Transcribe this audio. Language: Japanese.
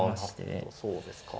ああそうですか。